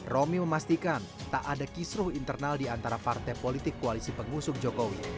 romy memastikan tak ada kisruh internal diantara partai politik koalisi pengusung jokowi